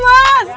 oh apaan ini